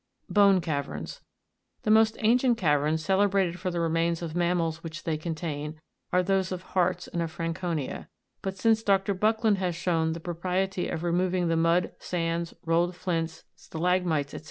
30. BONE CAVERNS. The most ancient caverns, celebrated for the remains of mammals which they contain, are those of Harz and of Franconia ; but since Dr. Buckland has shown the pro priety of removing the mud, sands, rolled flints , stala'gmites, &c.